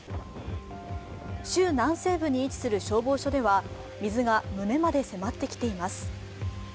州南西部に位置する消防署では水が胸まで迫ってきています。